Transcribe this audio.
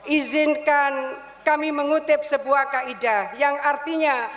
izinkan kami mengutip sebuah kaidah yang artinya